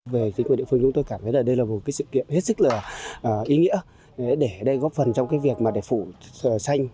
về tỉnh quận địa phương tôi cảm thấy đây là một sự kiện hết sức là ý nghĩa để góp phần trong việc phủ xanh